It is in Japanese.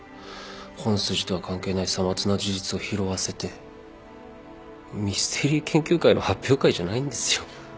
本筋とは関係ないさまつな事実を拾わせてミステリー研究会の発表会じゃないんですよ。